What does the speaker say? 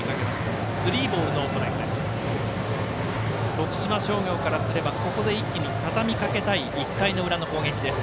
徳島商業からすればここで一気にたたみかけたい１回の裏の攻撃です。